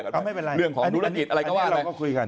เรื่องของธุรกิจอะไรก็ว่า